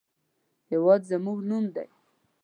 هېواد زموږ نوم دی